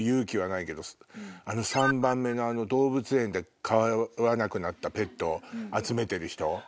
３番目の動物園で飼わなくなったペット集めてる人。